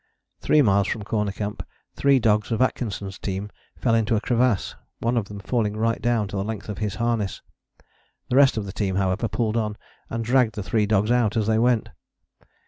Three miles from Corner Camp three dogs of Atkinson's team fell into a crevasse, one of them falling right down to the length of his harness. The rest of the team, however, pulled on, and dragged the three dogs out as they went.